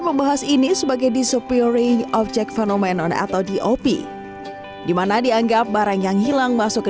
membahas ini sebagai disuppiring object fenomenon atau dop dimana dianggap barang yang hilang masuk ke